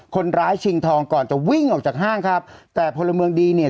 ชิงทองก่อนจะวิ่งออกจากห้างครับแต่พลเมืองดีเนี่ย